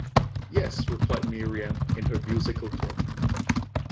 “Yes,” replied Miriam in her musical tone.